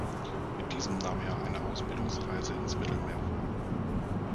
Mit diesem nahm er eine Ausbildungsreise ins Mittelmeer vor.